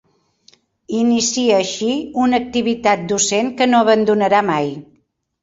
Inicia així una activitat docent que no abandonarà mai.